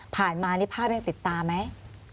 ผ่านมานิพาสยังติดตาไหม